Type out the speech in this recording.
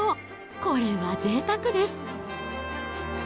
これはぜいたくです。